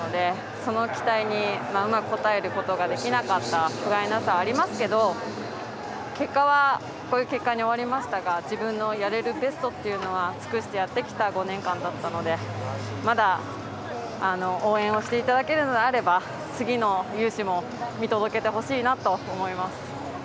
その期待にうまく応えることができなかったふがいなさはありますけど結果はこういう結果に終わりましたが自分のやれるベストというのは尽くしてやってきた５年間だったのでまだ応援していただけるなら次の雄姿も見届けてほしいと思います。